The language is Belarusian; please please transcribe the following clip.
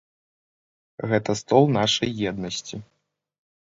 Гэта стол нашай еднасці.